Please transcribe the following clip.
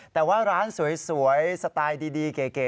แต่ว่าร้านสวยสไตล์ดีเก๋